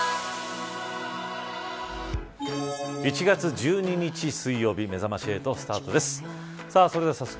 １月１２日水曜日めざまし８スタートです。